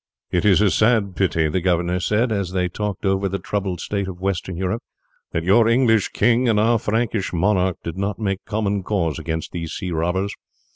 "It is a sad pity," the governor said as they talked over the troubled state of Western Europe, "that your English king and our Frankish monarch did not make common cause against these sea robbers.